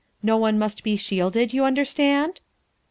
No one must be shielded, you understand?"